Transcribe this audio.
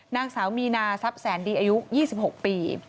นางสาวมีนาทรัพย์แสนดีอายุ๒๖ปี